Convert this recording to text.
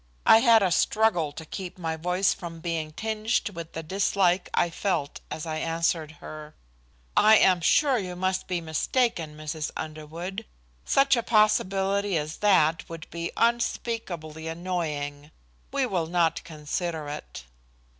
I had a struggle to keep my voice from being tinged with the dislike I felt as I answered her: "I am sure you must be mistaken, Mrs. Underwood. Such a possibility as that would be unspeakably annoying We will not consider it."